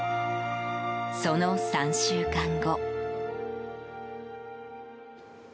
その３週間後。